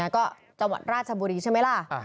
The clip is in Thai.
ก็จังหวัดราชบุรีใช่ไหมล่ะ